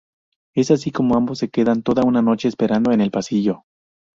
Es así como ambos se quedan toda una noche esperando en el pasillo.